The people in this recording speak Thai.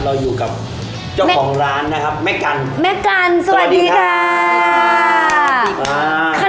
เราอยู่กับเจ้าของร้านนะครับแม่กันแม่กันสวัสดีค่ะ